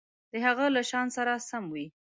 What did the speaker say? د هغه له شأن سره سم وي.